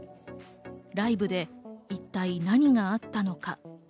ライブで一体、何があったのか？